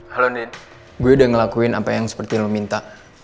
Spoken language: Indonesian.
halo din gue udah ngelakuin yang seperti lo minta